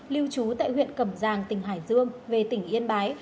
lưu trú tại huyện cẩm giang tỉnh hải dương về tỉnh yên bái